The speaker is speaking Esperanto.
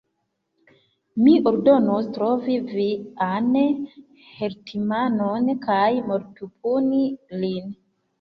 Mi ordonos trovi vian hetmanon kaj mortpuni lin!